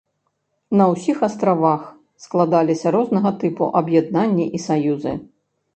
На ўсіх астравах складаліся рознага тыпу аб'яднанні і саюзы.